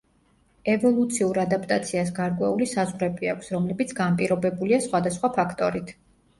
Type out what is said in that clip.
ევოლუციურ ადაპტაციას გარკვეული საზღვრები აქვს, რომლებიც განპირობებულია სხვადასხვა ფაქტორით.